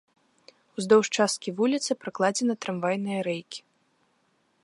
Уздоўж часткі вуліцы пракладзены трамвайныя рэйкі.